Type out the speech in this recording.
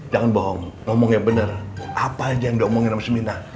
jangan bohong ngomong yang bener apa aja yang diomongin sama semina apa